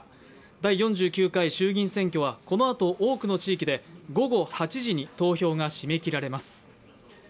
第４９回衆議院選挙はこのあと多くの地域で午後８時に投票が締め切られます。